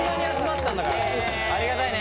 ありがたいね。